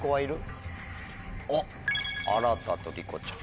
おっあらたとりこちゃん。